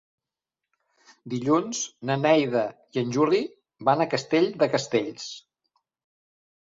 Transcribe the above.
Dilluns na Neida i en Juli van a Castell de Castells.